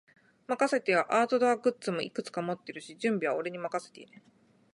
任せてよ。アウトドアグッズもいくつか持ってるし、準備は俺に任せて。